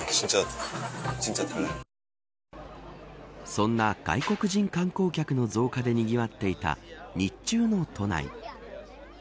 そんな外国人観光客の増加でにぎわっていた日中の都内。